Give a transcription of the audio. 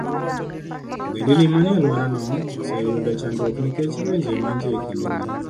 Ogendini manie alworano oseyudo chandruok nikech lwenje mantie e kindgi.